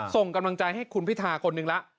ส่งกำลังใจให้คุณพิธาคนนึงละ